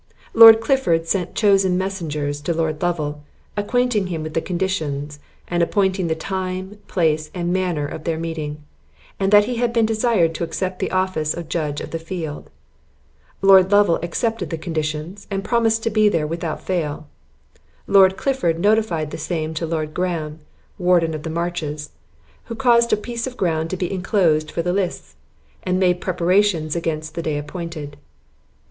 Lord Clifford sent chosen messengers to Lord Lovel, acquainting him with the conditions, and appointing the time, place, and manner of their meeting, and that he had been desired to accept the office of judge of the field. Lord Lovel accepted the conditions, and promised to be there without fail. Lord Clifford notified the same to Lord Graham, warden of the marches, who caused a piece of ground to be inclosed for the lists, and made preparations against the day appointed.